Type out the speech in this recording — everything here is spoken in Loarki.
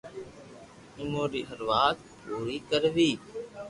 اوون ري ھر وات پوري ڪروي